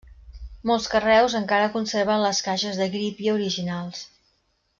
Molts carreus encara conserven les caixes de grípia originals.